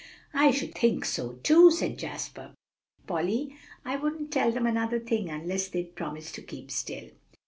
"I should think so too," said Jasper. "Polly, I wouldn't tell them another thing unless they'd promise to keep still."